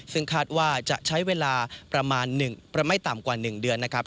ซึ่งคาดว่าจะใช้เวลาประมาณไม่ต่ำกว่า๑เดือนนะครับ